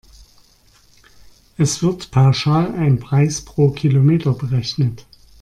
Es wird pauschal ein Preis pro Kilometer berechnet.